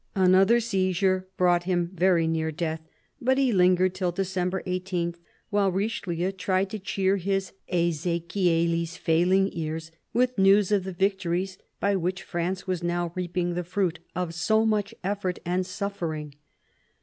Another seizure brought him very near death, but he lingered till December i8, while Richelieu tried to cheer his " Ez6chieli's " failing ears with news of the victories by which France was now reaping the fruit of so much effort and suffering.